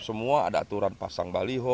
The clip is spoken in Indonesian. semua ada aturan pasang baliho